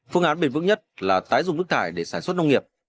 phương án bền vững nhất là tái dùng nước thải để sản xuất nông nghiệp